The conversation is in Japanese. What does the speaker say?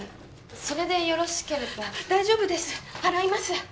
それでよろしければ大丈夫です払います